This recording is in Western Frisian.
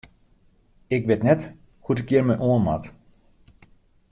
Ik wit net hoe't ik hjir mei oan moat.